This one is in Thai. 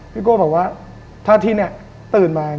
พี่โก้บอกว่าน่าถ้าธิเนี่ยตื่นมา